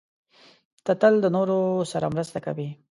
ته تل د نورو سره مرسته کوې.